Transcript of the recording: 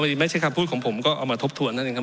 เอาอีกไม่ใช่คำพูดของผมก็เอามาทบทวนนะครับ